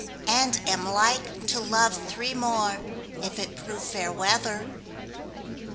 And am like to love three more, If it prove fair weather.